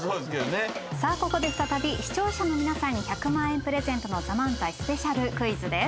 さあここで再び視聴者の皆さんに１００万円プレゼントの『ＴＨＥＭＡＮＺＡＩ』スペシャルクイズです。